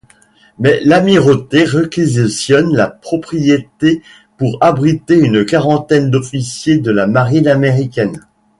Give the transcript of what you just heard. Mais l'Amirauté réquisitionne la propriété pour abriter une quarantaine d'officiers de la marine américaine.